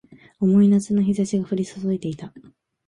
重い夏の日差しが降り注いでいた